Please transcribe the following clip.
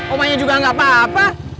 omanya juga nggak apa apa